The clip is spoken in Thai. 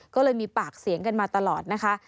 ก็เลยมีปากเสียงกันมาตลอดนะคะ